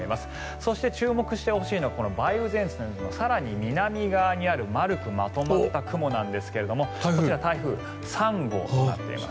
そして注目してほしいのはこの梅雨前線よりも更に南側にある丸くまとまった雲なんですけどもこちら台風３号となっています。